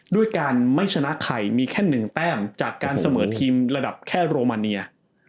ด้วยการไม่ชนะใครมีแค่๑แต้มจากการเสมอทีมระดับแค่โรมาเนีย